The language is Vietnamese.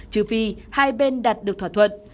chứ vì hai bên đạt được thỏa thuận